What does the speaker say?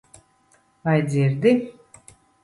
Vai dzirdi?